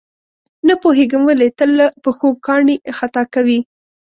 نه پوهېږم ولې تل له پښو کاڼي خطا کوي.